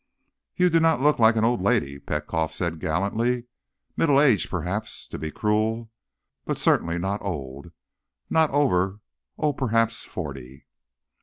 "You do not look like an old lady," Petkoff said gallantly. "Middle aged, perhaps, to be cruel. But certainly not old. Not over ... oh, perhaps forty."